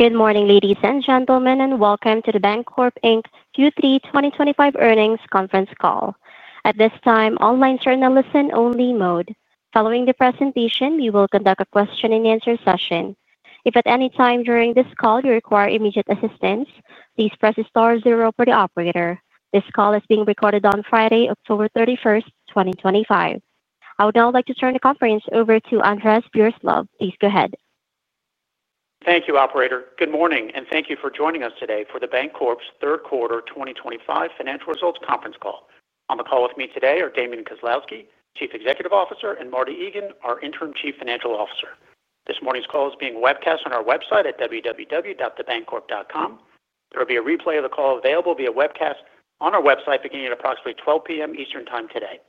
Good morning, ladies and gentlemen, and welcome to The Bancorp Inc. Q3 2025 earnings conference call. At this time, all lines are in a listen-only mode. Following the presentation, we will conduct a question-and-answer session. If at any time during this call you require immediate assistance, please press star zero for the operator. This call is being recorded on Friday, October 31, 2025. I would now like to turn the conference over to Andres Viroslav. Please go ahead. Thank you, Operator. Good morning, and thank you for joining us today for The Bancorp's third quarter 2025 financial results conference call. On the call with me today are Damian Kozlowski, Chief Executive Officer, and Marty Egan, our Interim Chief Financial Officer. This morning's call is being webcast on our website at www.thebancorp.com. There will be a replay of the call available via webcast on our website beginning at approximately 12:00 P.M. Eastern Time today.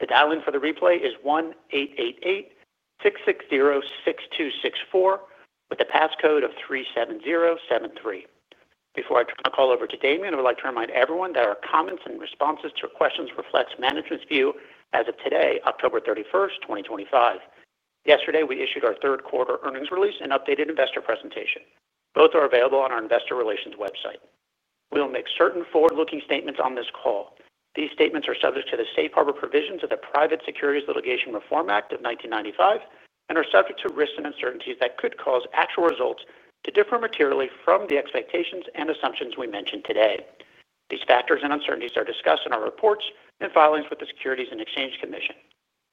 The dial-in for the replay is 1-888-660-6264 with the passcode of 37073. Before I turn the call over to Damian, I would like to remind everyone that our comments and responses to your questions reflect management's view as of today, October 31, 2025. Yesterday, we issued our third quarter earnings release and updated investor presentation. Both are available on our investor relations website. We will make certain forward-looking statements on this call. These statements are subject to the Safe Harbor provisions of the Private Securities Litigation Reform Act of 1995 and are subject to risks and uncertainties that could cause actual results to differ materially from the expectations and assumptions we mentioned today. These factors and uncertainties are discussed in our reports and filings with the Securities and Exchange Commission.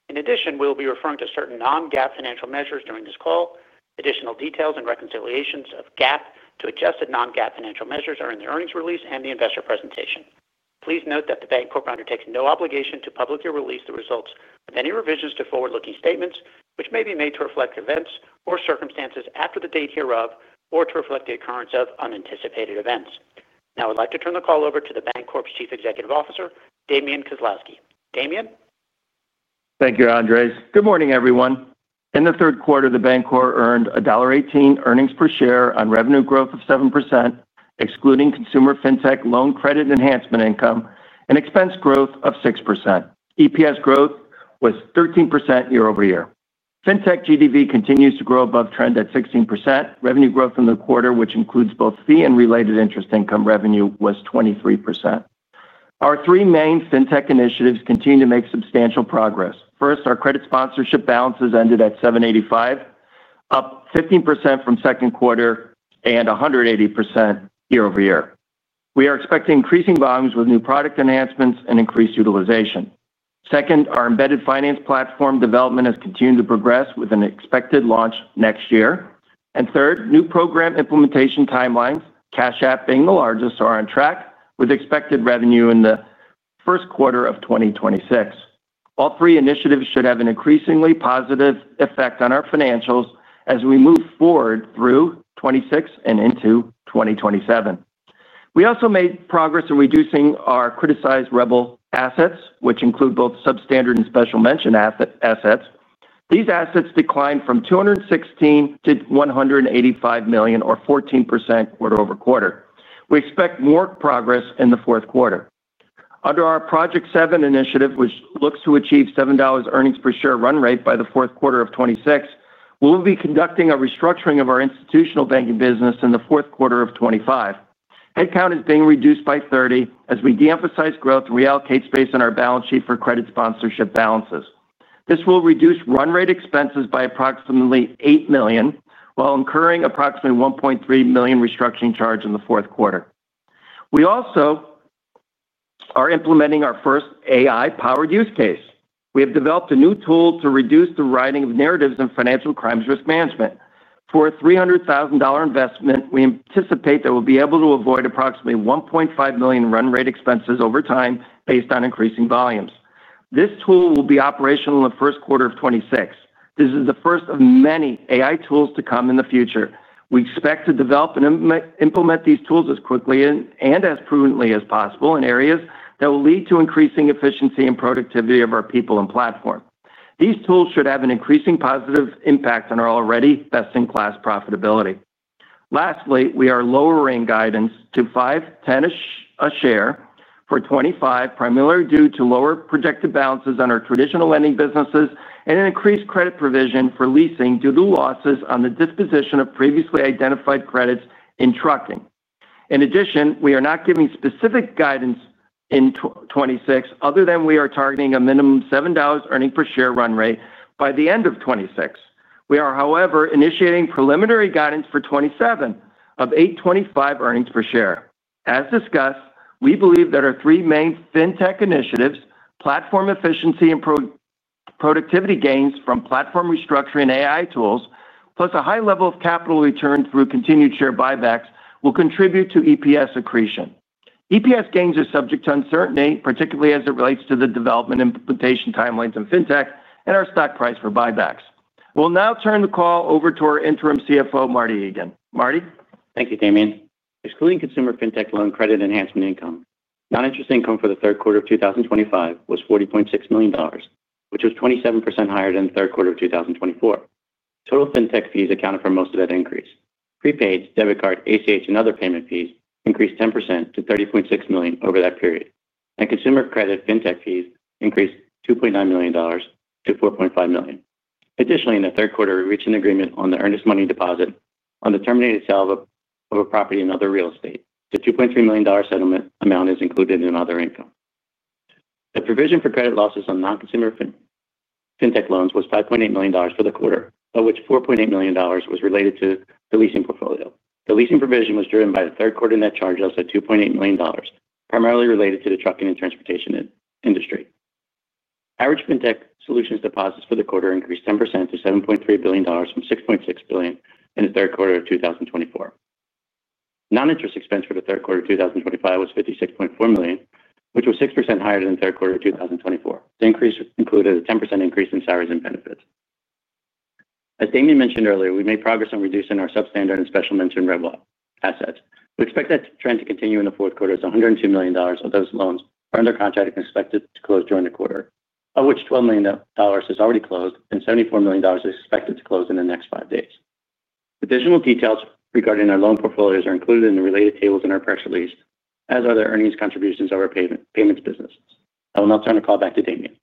In addition, we will be referring to certain non-GAAP financial measures during this call. Additional details and reconciliations of GAAP to adjusted non-GAAP financial measures are in the earnings release and the investor presentation. Please note that The Bancorp undertakes no obligation to publicly release the results of any revisions to forward-looking statements, which may be made to reflect events or circumstances after the date hereof or to reflect the occurrence of unanticipated events. Now, I would like to turn the call over to The Bancorp's Chief Executive Officer, Damian Kozlowski. Damian. Thank you, Andres. Good morning, everyone. In the third quarter, The Bancorp earned $1.18 earnings per share on revenue growth of 7%, excluding consumer fintech loan credit enhancement income, and expense growth of 6%. EPS growth was 13% year-over-year. Fintech GDV continues to grow above trend at 16%. Revenue growth in the quarter, which includes both fee and related interest income revenue, was 23%. Our three main fintech initiatives continue to make substantial progress. First, our credit sponsorship balances ended at $785 million, up 15% from the second quarter and 180% year-over-year. We are expecting increasing volumes with new product enhancements and increased utilization. Second, our embedded finance platform development has continued to progress with an expected launch next year. Third, new program implementation timelines, Cash App being the largest, are on track with expected revenue in the first quarter of 2026. All three initiatives should have an increasingly positive effect on our financials as we move forward through 2026 and into 2027. We also made progress in reducing our criticized and substandard assets, which include both substandard and special mention assets. These assets declined from $216 million to $185 million, or 14% quarter over quarter. We expect more progress in the fourth quarter. Under our Project 7 initiative, which looks to achieve $7 earnings per share run rate by the fourth quarter of 2026, we will be conducting a restructuring of our institutional banking business in the fourth quarter of 2025. Headcount is being reduced by 30 as we de-emphasize growth and reallocate space on our balance sheet for credit sponsorship balances. This will reduce run rate expenses by approximately $8 million while incurring approximately $1.3 million restructuring charge in the fourth quarter. We are also implementing our first AI-powered use case. We have developed a new tool to reduce the writing of narratives in financial crimes risk management. For a $300,000 investment, we anticipate that we'll be able to avoid approximately $1.5 million run rate expenses over time based on increasing volumes. This tool will be operational in the first quarter of 2026. This is the first of many AI tools to come in the future. We expect to develop and implement these tools as quickly and as prudently as possible in areas that will lead to increasing efficiency and productivity of our people and platform. These tools should have an increasing positive impact on our already best-in-class profitability. Lastly, we are lowering guidance to $5.10 a share for 2025, primarily due to lower projected balances on our traditional lending businesses and an increased credit provision for leasing due to losses on the disposition of previously identified credits in trucking. In addition, we are not giving specific guidance in 2026 other than we are targeting a minimum $7 earnings per share run rate by the end of 2026. We are, however, initiating preliminary guidance for 2027 of $8.25 earnings per share. As discussed, we believe that our three main fintech initiatives, platform efficiency and productivity gains from platform restructuring and AI-powered tools, plus a high level of capital return through continued share repurchases, will contribute to EPS accretion. EPS gains are subject to uncertainty, particularly as it relates to the development implementation timelines in fintech and our stock price for repurchases. We'll now turn the call over to our Interim Chief Financial Officer, Marty Egan. Marty. Thank you, Damian. Excluding consumer fintech loan credit enhancement income, non-interest income for the third quarter of 2025 was $40.6 million, which was 27% higher than the third quarter of 2024. Total fintech fees accounted for most of that increase. Prepaids, debit card, ACH, and other payment fees increased 10% to $30.6 million over that period. Consumer credit fintech fees increased $2.9 million to $4.5 million. Additionally, in the third quarter, we reached an agreement on the earnest money deposit on the terminated sale of a property and other real estate. The $2.3 million settlement amount is included in other income. The provision for credit losses on non-consumer fintech loans was $5.8 million for the quarter, of which $4.8 million was related to the leasing portfolio. The leasing provision was driven by the third quarter net charges of $2.8 million, primarily related to the trucking and transportation industry. Average FinTech Solutions deposits for the quarter increased 10% to $7.3 billion from $6.6 billion in the third quarter of 2024. Non-interest expense for the third quarter of 2025 was $56.4 million, which was 6% higher than the third quarter of 2024. The increase included a 10% increase in salaries and benefits. As Damian mentioned earlier, we made progress on reducing our substandard and special mention criticized assets. We expect that trend to continue in the fourth quarter as $102 million of those loans are under contract and expected to close during the quarter, of which $12 million is already closed and $74 million is expected to close in the next five days. Additional details regarding our loan portfolios are included in the related tables in our press release, as are the earnings contributions of our payments businesses. I will now turn the call back to Damian.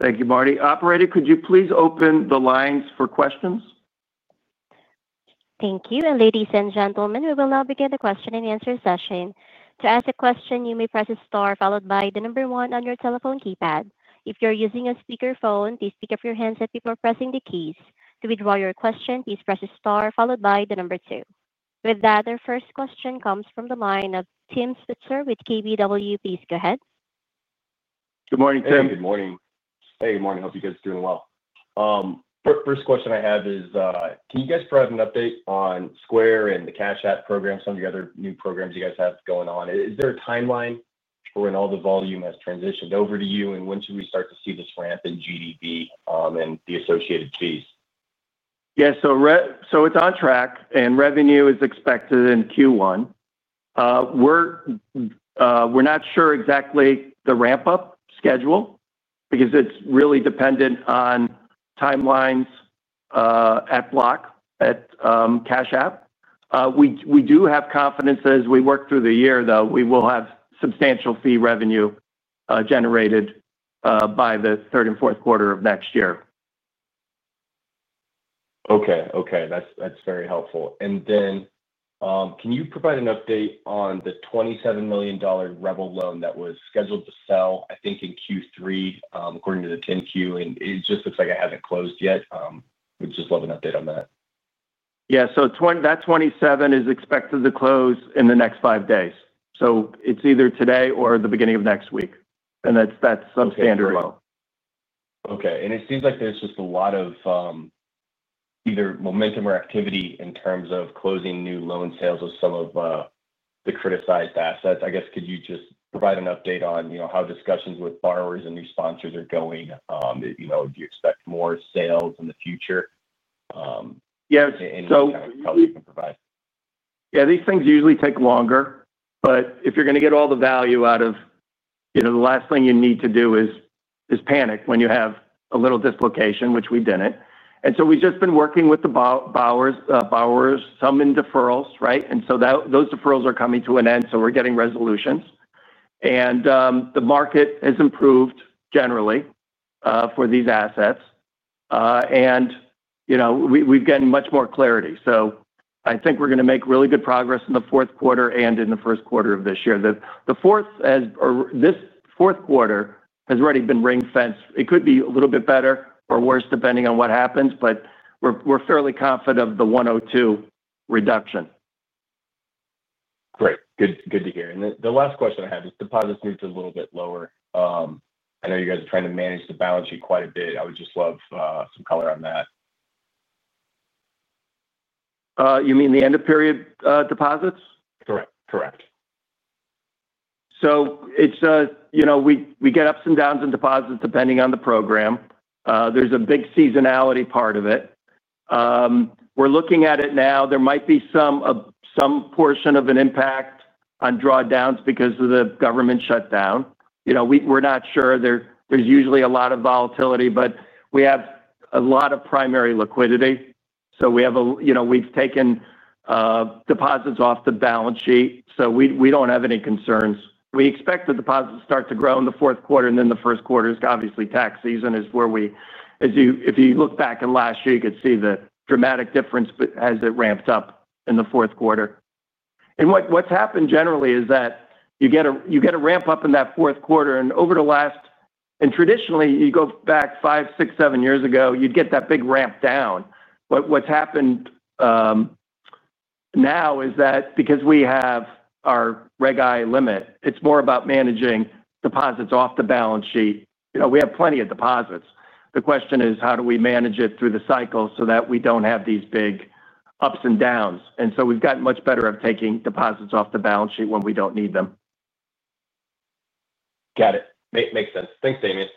Thank you, Marty. Operator, could you please open the lines for questions? Thank you. Ladies and gentlemen, we will now begin the question-and-answer session. To ask a question, you may press star followed by the number one on your telephone keypad. If you're using a speakerphone, please pick up your handset before pressing the keys. To withdraw your question, please press star followed by the number two. With that, our first question comes from the line of Tim Switzer with KBW. Please go ahead. Good morning, Tim. Good morning. Good morning. Hope you guys are doing well. First question I have is, can you guys provide an update on Square and the Cash App program, some of the other new programs you guys have going on? Is there a timeline for when all the volume has transitioned over to you, and when should we start to see this ramp in GDV and the associated fees? Yeah, it's on track, and revenue is expected in Q1. We're not sure exactly the ramp-up schedule because it's really dependent on timelines at Block at Cash App. We do have confidence that as we work through the year, we will have substantial fee revenue generated by the third and fourth quarter of next year. Okay. That's very helpful. Can you provide an update on the $27 million rebel loan that was scheduled to sell, I think, in Q3, according to the 10Q? It just looks like it hasn't closed yet. We'd just love an update on that. Yeah, that $27 million is expected to close in the next five days. It's either today or the beginning of next week. That's a substandard loan. Okay. It seems like there's just a lot of momentum or activity in terms of closing new loan sales of some of the criticized assets. Could you just provide an update on how discussions with borrowers and new sponsors are going? Do you expect more sales in the future? Probably you can provide. Yeah, these things usually take longer, but if you're going to get all the value out of it, the last thing you need to do is panic when you have a little dislocation, which we didn't. We've just been working with the borrowers, some in deferrals, right? Those deferrals are coming to an end, so we're getting resolutions. The market has improved generally for these assets, and we've gotten much more clarity. I think we're going to make really good progress in the fourth quarter and in the first quarter of this year. The fourth quarter has already been ring-fenced. It could be a little bit better or worse depending on what happens, but we're fairly confident of the $102 million reduction. Great. Good to hear. The last question I have is deposits moved a little bit lower. I know you guys are trying to manage the balance sheet quite a bit. I would just love some color on that. You mean the end-of-period deposits? Correct. Correct. We get ups and downs in deposits depending on the program. There's a big seasonality part of it. We're looking at it now. There might be some portion of an impact on drawdowns because of the government shutdown. We're not sure. There's usually a lot of volatility, but we have a lot of primary liquidity. We've taken deposits off the balance sheet, so we don't have any concerns. We expect the deposits to start to grow in the fourth quarter, and the first quarter is obviously tax season. If you look back in last year, you could see the dramatic difference as it ramped up in the fourth quarter. What's happened generally is that you get a ramp-up in that fourth quarter. Over the last, and traditionally, you go back five, six, seven years ago, you'd get that big ramp down. What's happened now is that because we have our Reg I limit, it's more about managing deposits off the balance sheet. We have plenty of deposits. The question is, how do we manage it through the cycle so that we don't have these big ups and downs? We've gotten much better at taking deposits off the balance sheet when we don't need them. Got it. Makes sense. Thanks, Damian.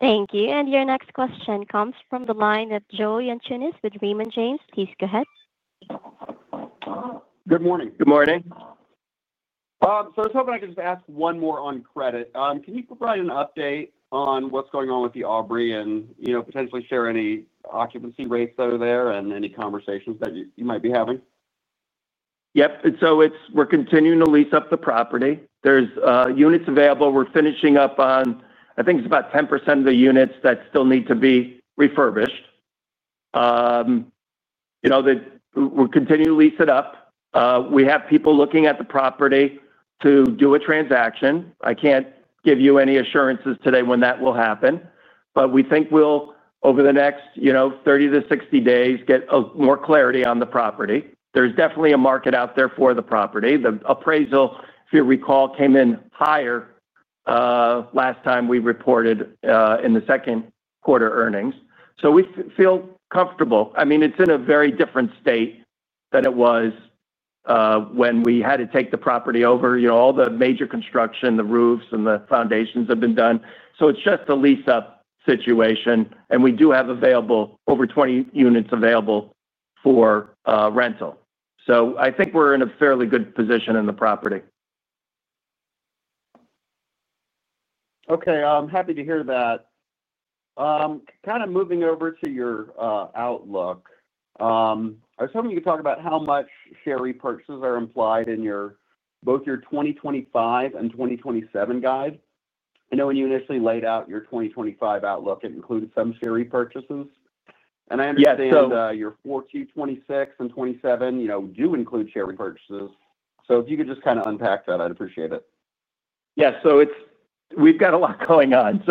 Thank you. Your next question comes from the line of Joe Yanchunis with Raymond James. Please go ahead. Good morning. Good morning. I was hoping I could just ask one more on credit. Can you provide an update on what's going on with the Aubrey and potentially share any occupancy rates that are there and any conversations that you might be having? Yep. We're continuing to lease up the property. There are units available. We're finishing up on, I think it's about 10% of the units that still need to be refurbished. We're continuing to lease it up. We have people looking at the property to do a transaction. I can't give you any assurances today when that will happen, but we think over the next 30 to 60 days, we'll get more clarity on the property. There's definitely a market out there for the property. The appraisal, if you recall, came in higher last time we reported in the second quarter earnings. We feel comfortable. It's in a very different state than it was when we had to take the property over. All the major construction, the roofs and the foundations, have been done. It's just a lease-up situation. We do have over 20 units available for rental. I think we're in a fairly good position in the property. Okay. I'm happy to hear that. Moving over to your outlook, I was hoping you could talk about how much share repurchases are implied in both your 2025 and 2027 guide. I know when you initially laid out your 2025 outlook, it included some share repurchases. I understand your fourth quarter 2026 and 2027 do include share repurchases. If you could just unpack that, I'd appreciate it. Yeah. We've got a lot going on.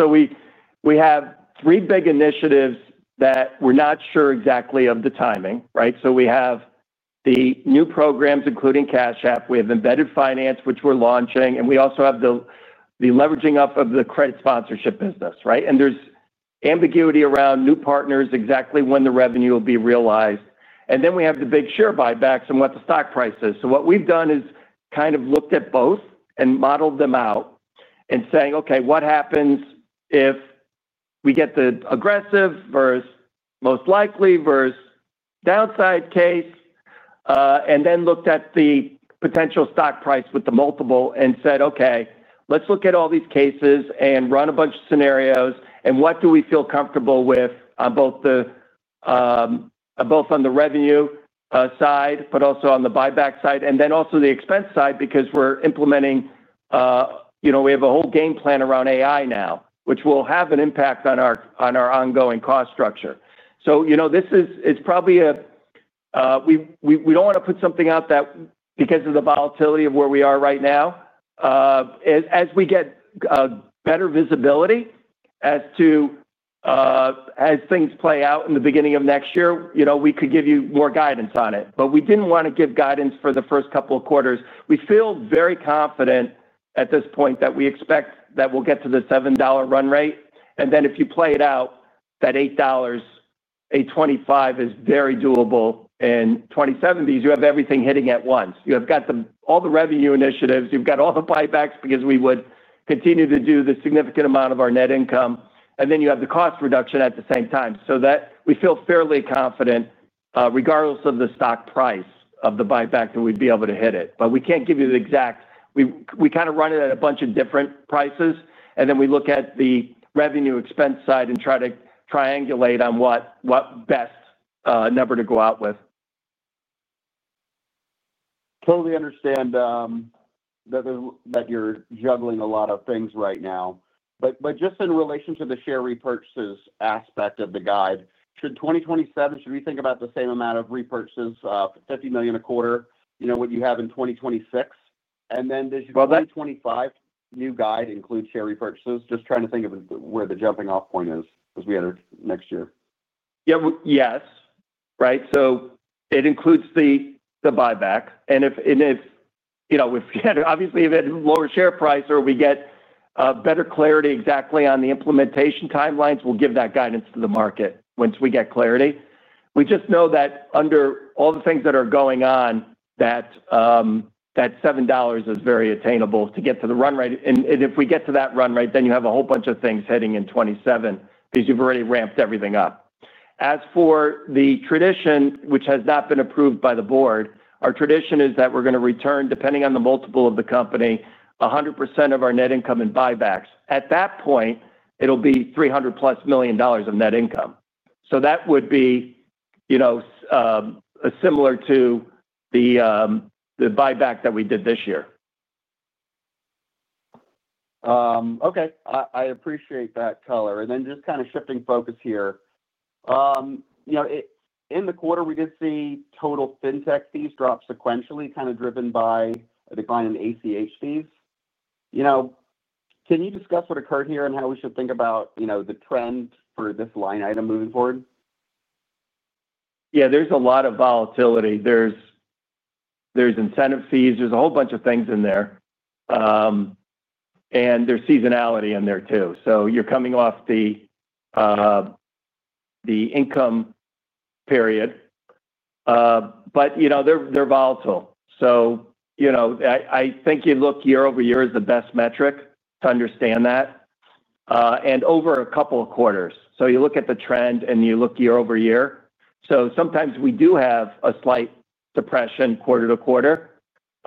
We have three big initiatives that we're not sure exactly of the timing. We have the new programs, including Cash App. We have embedded finance, which we're launching. We also have the leveraging up of the credit sponsorship business, and there's ambiguity around new partners, exactly when the revenue will be realized. We have the big share buybacks and what the stock price is. We've looked at both and modeled them out, saying, "Okay, what happens if we get the aggressive versus most likely versus downside case?" Then we looked at the potential stock price with the multiple and said, "Okay, let's look at all these cases and run a bunch of scenarios. What do we feel comfortable with on both the revenue side, but also on the buyback side, and then also the expense side?" We're implementing a whole game plan around AI now, which will have an impact on our ongoing cost structure. We don't want to put something out because of the volatility of where we are right now. As we get better visibility as to. As things play out in the beginning of next year, we could give you more guidance on it. We did not want to give guidance for the first couple of quarters. We feel very confident at this point that we expect that we'll get to the $7 run rate. If you play it out, that $8.25 is very doable. In 2027, you have everything hitting at once. You have got all the revenue initiatives. You have got all the buybacks because we would continue to do the significant amount of our net income. You have the cost reduction at the same time. We feel fairly confident regardless of the stock price of the buyback that we'd be able to hit it. We cannot give you the exact—we kind of run it at a bunch of different prices. We look at the revenue expense side and try to triangulate on what best number to go out with. Totally understand that you're juggling a lot of things right now. Just in relation to the share repurchases aspect of the guide, should 2027, should we think about the same amount of repurchases, $50 million a quarter, what you have in 2026? Does your 2025 new guide include share repurchases? Just trying to think of where the jumping-off point is as we enter next year. Yes. Right. It includes the buyback. If, obviously, if it's a lower share price or we get better clarity exactly on the implementation timelines, we'll give that guidance to the market once we get clarity. We just know that under all the things that are going on, $7 is very attainable to get to the run rate. If we get to that run rate, then you have a whole bunch of things hitting in 2027 because you've already ramped everything up. As for the tradition, which has not been approved by the board, our tradition is that we're going to return, depending on the multiple of the company, 100% of our net income in buybacks. At that point, it'll be $300 plus million of net income. That would be similar to the buyback that we did this year. Okay. I appreciate that color. Just kind of shifting focus here. In the quarter, we did see total fintech fees drop sequentially, kind of driven by a decline in ACH fees. Can you discuss what occurred here and how we should think about the trend for this line item moving forward? Yeah. There's a lot of volatility. There are incentive fees. There is a whole bunch of things in there. There is seasonality in there too. You are coming off the income period. They are volatile. I think you look year-over-year is the best metric to understand that, and over a couple of quarters. You look at the trend and you look year-over-year. Sometimes we do have a slight depression quarter to quarter,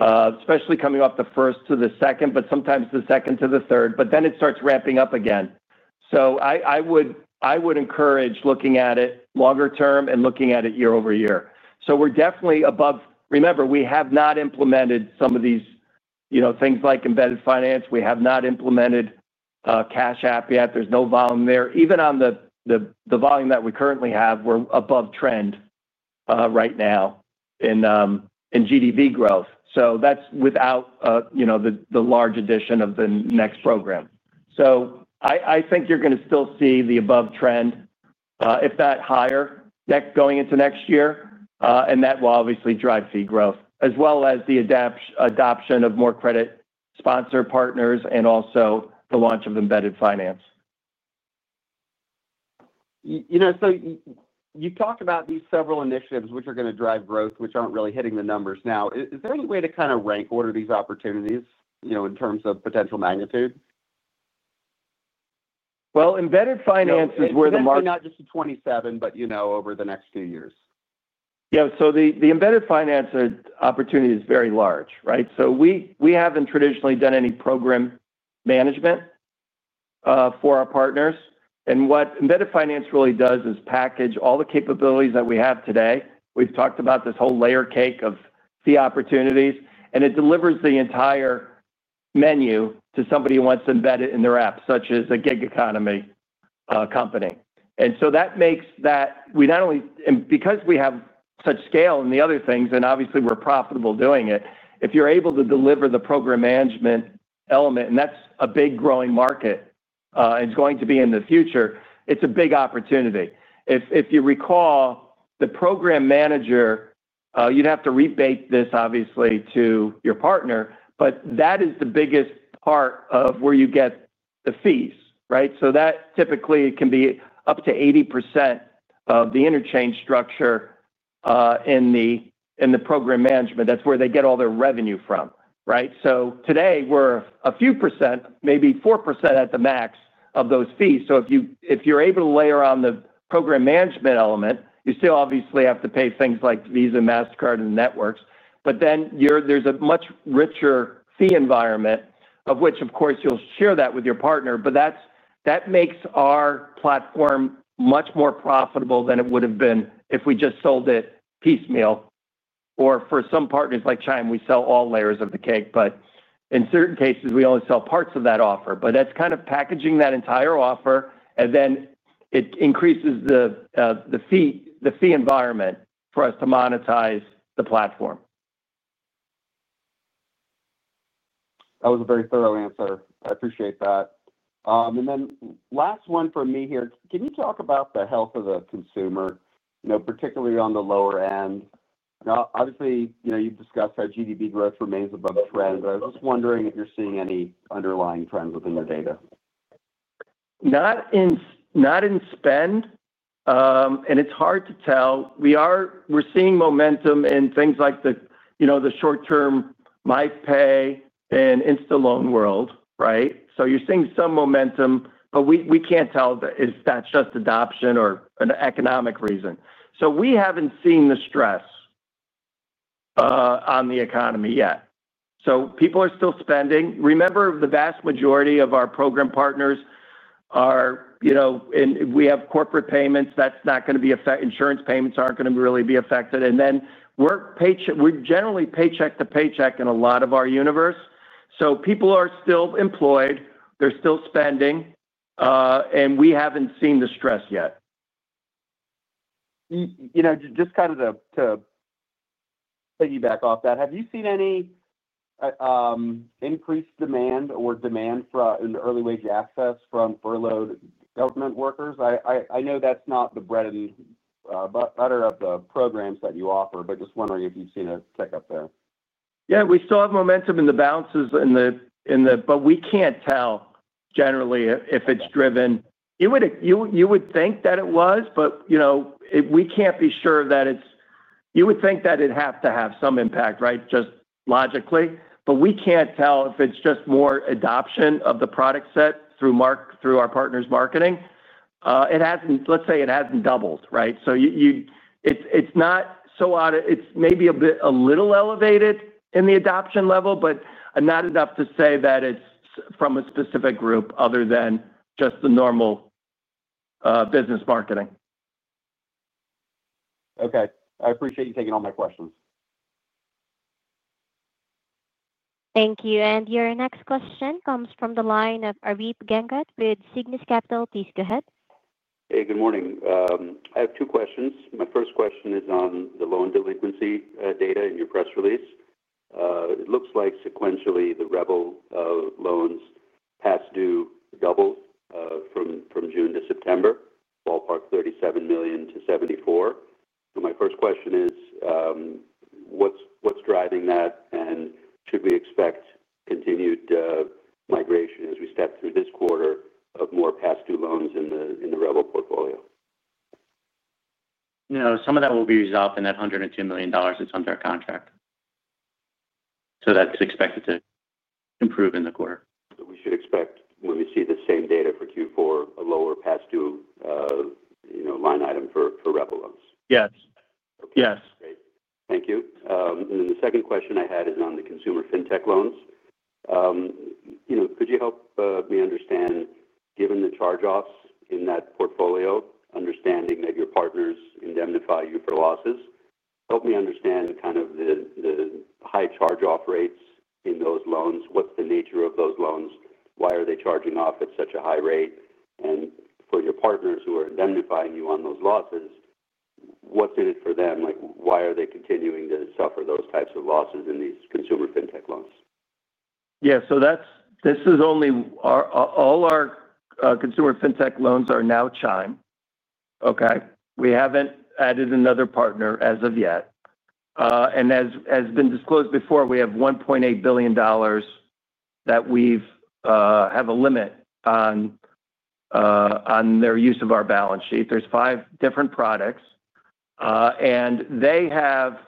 especially coming off the first to the second, but sometimes the second to the third. It starts ramping up again. I would encourage looking at it longer term and looking at it year-over-year. We're definitely above. Remember, we have not implemented some of these things like embedded finance. We have not implemented Cash App yet. There's no volume there. Even on the volume that we currently have, we're above trend right now in GDV growth. That's without the large addition of the next program. I think you're going to still see the above trend, if not higher, going into next year. That will obviously drive fee growth, as well as the adoption of more credit sponsor partners and also the launch of embedded finance. You talked about these several initiatives which are going to drive growth, which aren't really hitting the numbers now. Is there any way to kind of rank order these opportunities in terms of potential magnitude? Embedded finance is where the market —not just in 2027, but over the next few years. The embedded finance opportunity is very large, right? We haven't traditionally done any program management for our partners. What embedded finance really does is package all the capabilities that we have today. We've talked about this whole layer cake of fee opportunities, and it delivers the entire menu to somebody who wants to embed it in their app, such as a gig economy company. That makes that we not only—and because we have such scale and the other things, and obviously we're profitable doing it, if you're able to deliver the program management element, and that's a big growing market. It's going to be in the future, it's a big opportunity. If you recall, the program manager, you'd have to rebate this, obviously, to your partner, but that is the biggest part of where you get the fees, right? That typically can be up to 80% of the interchange structure in the program management. That's where they get all their revenue from, right? Today, we're a few percent, maybe 4% at the max of those fees. If you're able to layer on the program management element, you still obviously have to pay things like Visa, MasterCard, and the networks. There is a much richer fee environment, of which, of course, you'll share that with your partner. That makes our platform much more profitable than it would have been if we just sold it piecemeal. For some partners like Chime, we sell all layers of the cake. In certain cases, we only sell parts of that offer. That is kind of packaging that entire offer, and it increases the fee environment for us to monetize the platform. That was a very thorough answer. I appreciate that. Last one for me here. Can you talk about the health of the consumer, particularly on the lower end? Obviously, you've discussed how GDB growth remains above trend. I was just wondering if you're seeing any underlying trends within the data. Not in spend. It's hard to tell. We're seeing momentum in things like the short-term MyPay and Instalone world, right? You're seeing some momentum, but we can't tell if that's just adoption or an economic reason. We haven't seen the stress on the economy yet. People are still spending. Remember, the vast majority of our program partners are corporate payments. That's not going to be—insurance payments aren't going to really be affected. We're generally paycheck to paycheck in a lot of our universe. People are still employed. They're still spending. We haven't seen the stress yet. Just to piggyback off that, have you seen any increased demand or demand in the early wage access from furloughed government workers? I know that's not the bread and butter of the programs that you offer, but just wondering if you've seen a tick up there. Yeah. We still have momentum in the balances. We can't tell generally if it's driven. You would think that it was, but we can't be sure that it's—you would think that it'd have to have some impact, right, just logically. We can't tell if it's just more adoption of the product set through our partner's marketing. Let's say it hasn't doubled, right? It's maybe a little elevated in the adoption level, but not enough to say that it's from a specific group other than just the normal business marketing. Okay. I appreciate you taking all my questions. Thank you. Your next question comes from the line of Arif Gangat with Cygnus Capital. Please go ahead. Hey, good morning. I have two questions. My first question is on the loan delinquency data in your press release. It looks like sequentially the rebel loans past due doubled from June to September, ballpark $37 million to $74 million. My first question is, what's driving that, and should we expect continued migration as we step through this quarter of more past due loans in the rebel portfolio? No, some of that will be resolved in that $102 million that's under our contract. That's expected to improve in the quarter. We should expect, when we see the same data for Q4, a lower past due line item for rebel loans. Yes. Great, thank you. The second question I had is on the consumer fintech loans. Could you help me understand, given the charge-offs in that portfolio, understanding that your partners indemnify you for losses, help me understand the high charge-off rates in those loans. What's the nature of those loans? Why are they charging off at such a high rate? For your partners who are indemnifying you on those losses, what's in it for them? Why are they continuing to suffer those types of losses in these consumer fintech loans? Yeah. This is only—all our consumer fintech loans are now Chime, okay? We haven't added another partner as of yet. As has been disclosed before, we have $1.8 billion that we have a limit on, their use of our balance sheet. There's five different products, and they have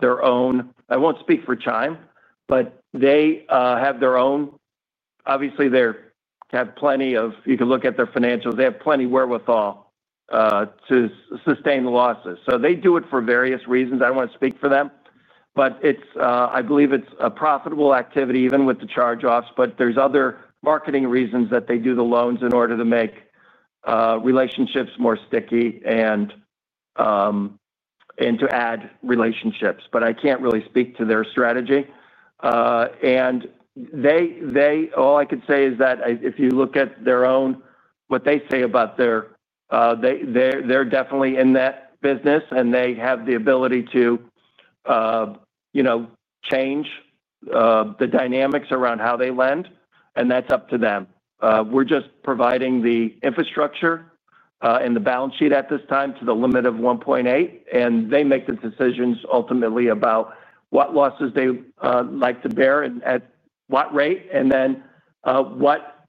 their own—I won't speak for Chime—but they have their own. Obviously, they have plenty of—you can look at their financials. They have plenty of wherewithal to sustain the losses. They do it for various reasons. I don't want to speak for them, but I believe it's a profitable activity even with the charge-offs. There's other marketing reasons that they do the loans in order to make relationships more sticky and to add relationships. I can't really speak to their strategy. All I could say is that if you look at what they say about their—they're definitely in that business, and they have the ability to change the dynamics around how they lend, and that's up to them. We're just providing the infrastructure and the balance sheet at this time to the limit of $1.8 billion, and they make the decisions ultimately about what losses they like to bear and at what rate.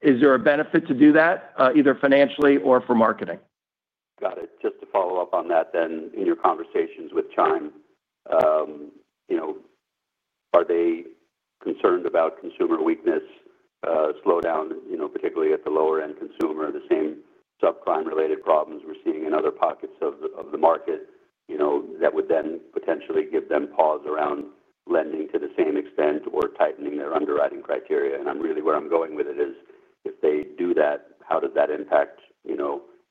Is there a benefit to do that either financially or for marketing? Got it. Just to follow up on that then, in your conversations with Chime, are they concerned about consumer weakness. Slowdown, particularly at the lower-end consumer, the same subprime-related problems we're seeing in other pockets of the market. That would then potentially give them pause around lending to the same extent or tightening their underwriting criteria? Where I'm going with it is, if they do that, how does that impact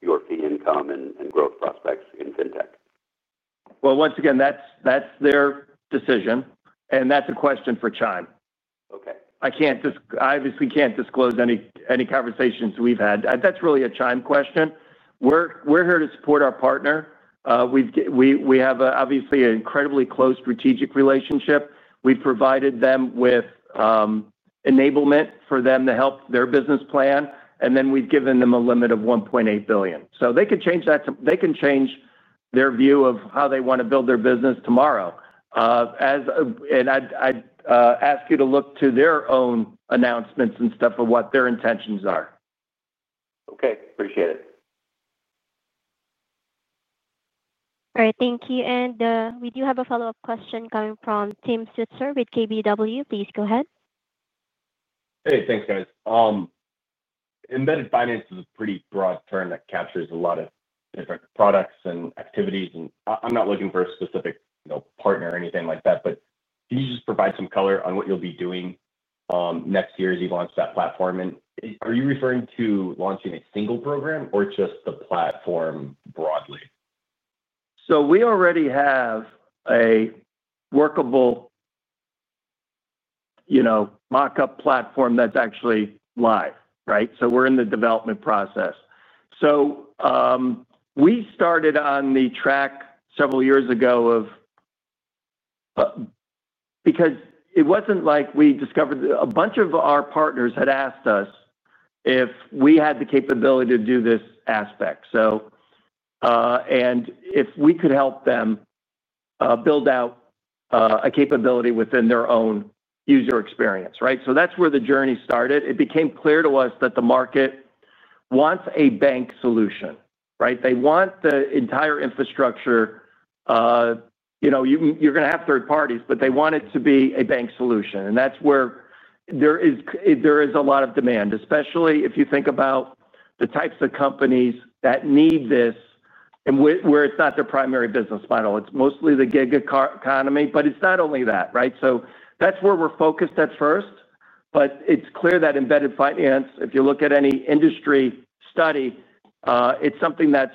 your fee income and growth prospects in fintech? Once again, that's their decision. That's a question for Chime. I obviously can't disclose any conversations we've had. That's really a Chime question. We're here to support our partner. We have, obviously, an incredibly close strategic relationship. We've provided them with enablement for them to help their business plan. We've given them a limit of $1.8 billion. They can change that. They can change their view of how they want to build their business tomorrow. I'd ask you to look to their own announcements and stuff of what their intentions are. Okay. Appreciate it. Thank you. We do have a follow-up question coming from Tim Switzer with KBW. Please go ahead. Hey. Thanks, guys. Embedded finance is a pretty broad term that captures a lot of different products and activities. I'm not looking for a specific partner or anything like that, but can you just provide some color on what you'll be doing next year as you launch that platform? Are you referring to launching a single program or just the platform broadly? We already have a workable mockup platform that's actually live, right? We're in the development process. We started on the track several years ago because it wasn't like we discovered a bunch of our partners had asked us if we had the capability to do this aspect and if we could help them build out a capability within their own user experience, right? That's where the journey started. It became clear to us that the market wants a bank solution, right? They want the entire infrastructure. You're going to have third parties, but they want it to be a bank solution. That's where there is a lot of demand, especially if you think about the types of companies that need this and where it's not their primary business model. It's mostly the gig economy, but it's not only that, right? That's where we're focused at first. It's clear that embedded finance, if you look at any industry study, is something that's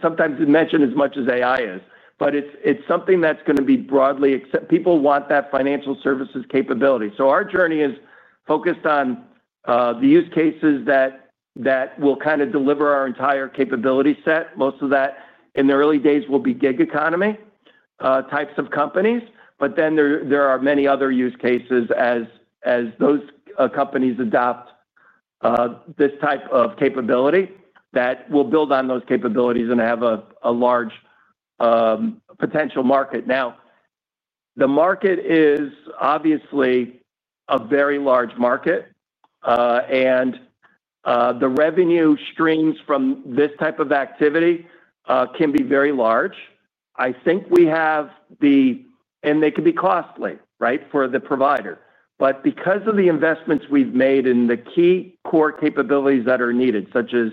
sometimes mentioned as much as AI is. It's something that's going to be broadly accepted. People want that financial services capability. Our journey is focused on the use cases that will kind of deliver our entire capability set. Most of that in the early days will be gig economy types of companies, but there are many other use cases as those companies adopt this type of capability that will build on those capabilities and have a large potential market. The market is obviously a very large market. The revenue streams from this type of activity can be very large. I think we have the—and they can be costly, right, for the provider. Because of the investments we've made in the key core capabilities that are needed, such as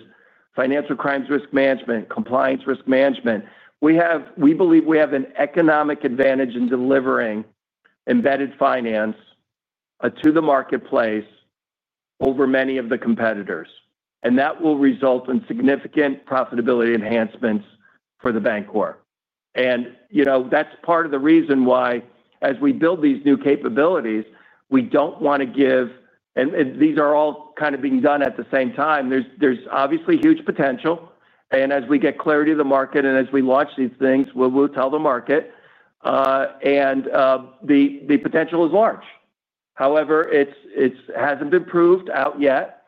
financial crimes risk management and compliance risk management, we believe we have an economic advantage in delivering embedded finance to the marketplace over many of the competitors. That will result in significant profitability enhancements for The Bancorp. That's part of the reason why, as we build these new capabilities, we don't want to give—and these are all kind of being done at the same time. There is obviously huge potential. As we get clarity of the market and as we launch these things, we'll tell the market. The potential is large. However, it hasn't been proved out yet.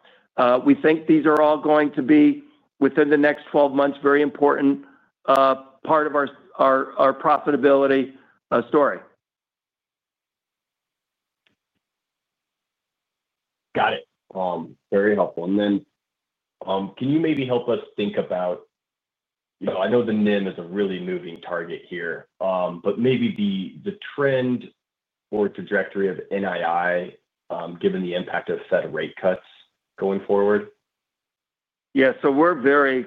We think these are all going to be, within the next 12 months, a very important part of our profitability story. Got it. Very helpful. Can you maybe help us think about—I know the NIM is a really moving target here, but maybe the trend or trajectory of NII, given the impact of Fed rate cuts going forward? Yeah. We're very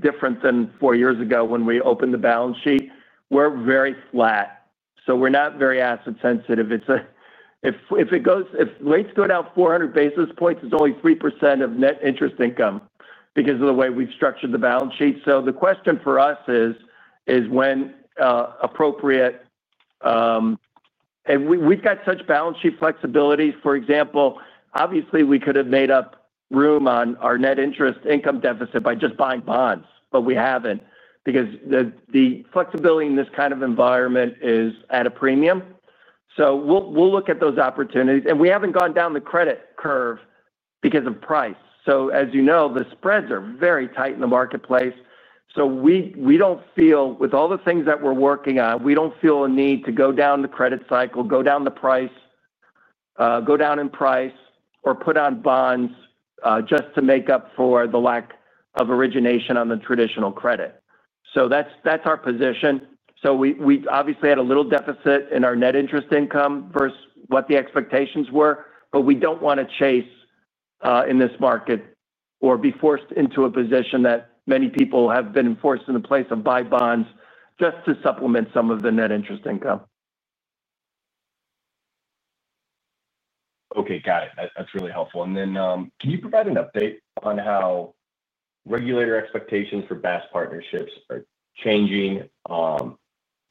different than four years ago when we opened the balance sheet. We're very flat, so we're not very asset-sensitive. If rates go down 400 basis points, it's only 3% of net interest income because of the way we've structured the balance sheet. The question for us is when appropriate—and we've got such balance sheet flexibility. For example, obviously, we could have made up room on our net interest income deficit by just buying bonds, but we haven't because the flexibility in this kind of environment is at a premium. We'll look at those opportunities. We haven't gone down the credit curve because of price. As you know, the spreads are very tight in the marketplace. We don't feel, with all the things that we're working on, we don't feel a need to go down the credit cycle, go down the price. Go down in price, or put on bonds just to make up for the lack of origination on the traditional credit. That's our position. We obviously had a little deficit in our net interest income versus what the expectations were, but we don't want to chase in this market or be forced into a position that many people have been forced into, the place of buying bonds just to supplement some of the net interest income. Got it. That's really helpful. Can you provide an update on how regulator expectations for banking-as-a-service partnerships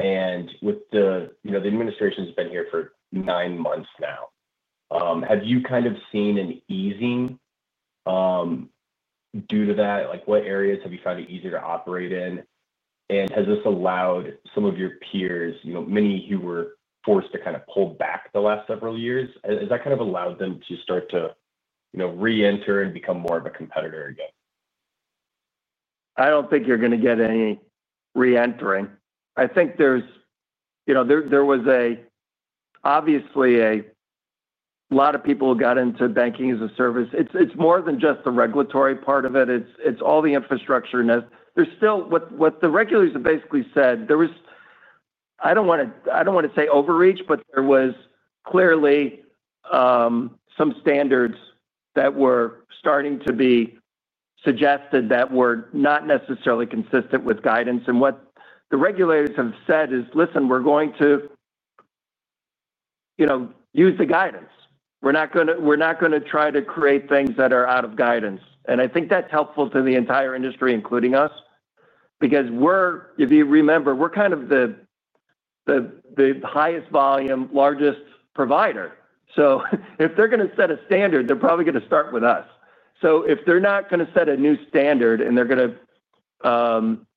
are changing? The administration's been here for nine months now. Have you seen an easing due to that? What areas have you found it easier to operate in? Has this allowed some of your peers, many who were forced to pull back the last several years, to start to reenter and become more of a competitor again? I don't think you're going to get any reentering. There was obviously a lot of people who got into banking-as-a-service. It's more than just the regulatory part of it. It's all the infrastructure. What the regulators have basically said, I don't want to say overreach, but there were clearly some standards that were starting to be suggested that were not necessarily consistent with guidance. What the regulators have said is, "Listen, we're going to use the guidance. We're not going to try to create things that are out of guidance." I think that's helpful to the entire industry, including us, because if you remember, we're kind of the highest volume, largest provider. If they're going to set a standard, they're probably going to start with us. If they're not going to set a new standard and they're going to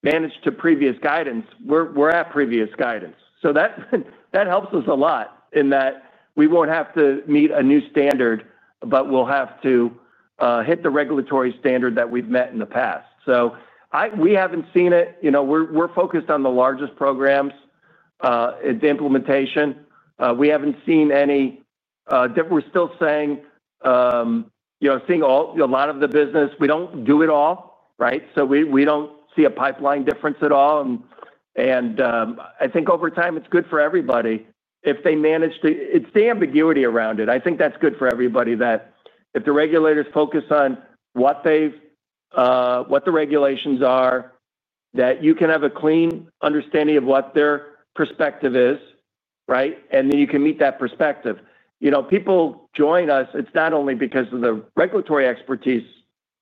manage to previous guidance, we're at previous guidance. That helps us a lot in that we won't have to meet a new standard, but we'll have to hit the regulatory standard that we've met in the past. We haven't seen it. We're focused on the largest programs implementation. We haven't seen any. We're still seeing a lot of the business. We don't do it all, right? We don't see a pipeline difference at all. I think over time, it's good for everybody if they manage to—it's the ambiguity around it. I think that's good for everybody that if the regulators focus on what the regulations are, you can have a clean understanding of what their perspective is, right? Then you can meet that perspective. People join us, it's not only because of the regulatory expertise,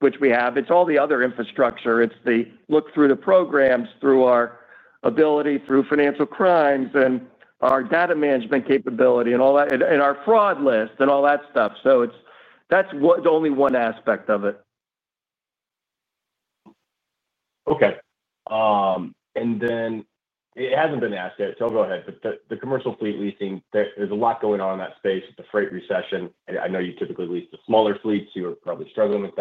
which we have. It's all the other infrastructure. It's the look through the programs through our ability, through financial crimes, and our data management capability, and our fraud list, and all that stuff. That's the only one aspect of it. It hasn't been asked yet. Go ahead. The commercial fleet leasing, there's a lot going on in that space with the freight recession. I know you typically lease the smaller fleets. You were probably struggling with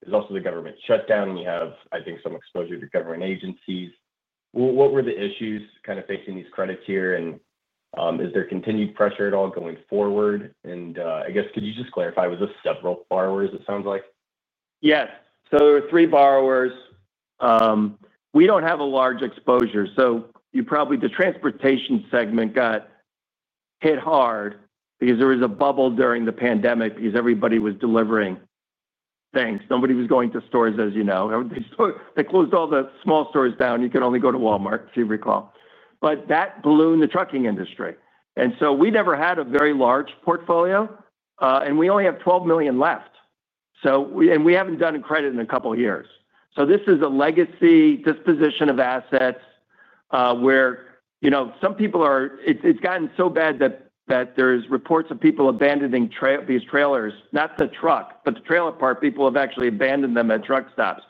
that. There's also the government shutdown. You have, I think, some exposure to government agencies. What were the issues kind of facing these credits here? Is there continued pressure at all going forward? Could you just clarify? Was this several borrowers, it sounds like? Yes. There were three borrowers. We don't have a large exposure. The transportation segment got hit hard because there was a bubble during the pandemic because everybody was delivering things. Nobody was going to stores, as you know. They closed all the small stores down. You could only go to Walmart, if you recall. That ballooned the trucking industry. We never had a very large portfolio. We only have $12 million left. We haven't done a credit in a couple of years. This is a legacy disposition of assets where some people are—it's gotten so bad that there's reports of people abandoning these trailers, not the truck, but the trailer part. People have actually abandoned them at truck stops.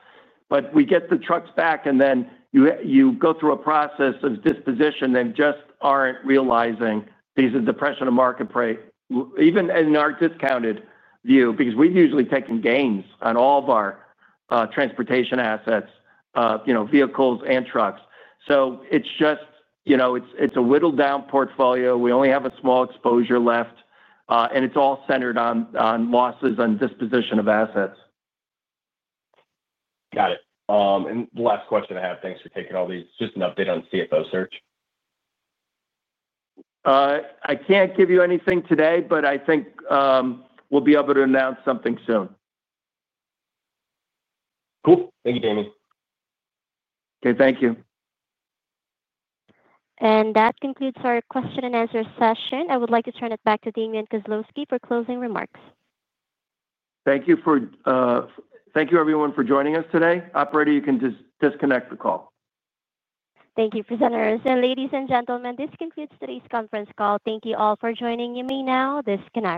We get the trucks back, and then you go through a process of disposition. They just aren't realizing because of the pressure on the market price, even in our discounted view, because we've usually taken gains on all of our transportation assets, vehicles, and trucks. It's a whittled-down portfolio. We only have a small exposure left. It's all centered on losses and disposition of assets. Got it. The last question I have, thanks for taking all these, just an update on CFO Search. I can't give you anything today, but I think we'll be able to announce something soon. Cool. Thank you, Damian. Thank you. That concludes our question-and-answer session. I would like to turn it back to Damian Kozlowski for closing remarks. Thank you. Thank you, everyone, for joining us today. Operator, you can just disconnect the call. Thank you, presenters. Ladies and gentlemen, this concludes today's conference call. Thank you all for joining me. This concludes the call.